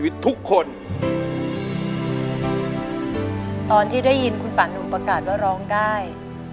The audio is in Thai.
ตอนที่ได้ยินคุณป่านุ่มประกาศว่าร้องได้